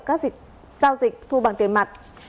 các dịch giao dịch thu bằng tiền mặt